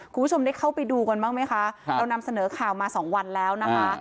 คุณผู้ชมได้เข้าไปดูกันบ้างไหมคะเรานำเสนอข่าวมาสองวันแล้วนะคะ